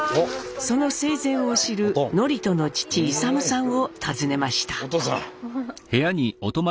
その生前を知る智人の父勇さんを訪ねました。